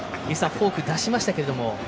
フォーク出しましたけれども。